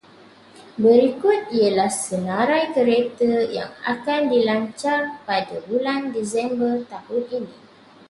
Berikut ialah senarai kereta yang akan dilancar pada bulan Disember tahun ini.